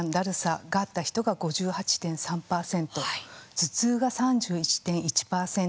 頭痛が３１．１％。